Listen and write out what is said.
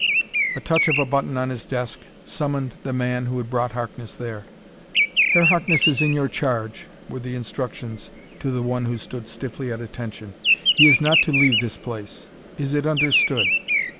A touch of a button on his desk summoned the man who had brought Harkness there. "Herr Harkness is in your charge," were the instructions to the one who stood stiffly at attention. "He is not to leave this place. Is it understood?"